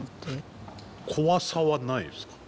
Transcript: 怖さはないですか？